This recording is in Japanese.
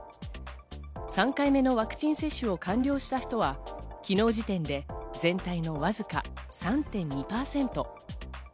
３回目のワクチン接種を完了した人は昨日時点で全体のわずか３．２％。